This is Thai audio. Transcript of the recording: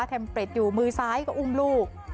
แท็มเพล็ดอยู่มือซ้ายก็อุ้มลูก